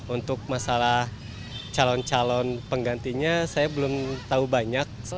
untuk masalah calon calon penggantinya saya belum tahu banyak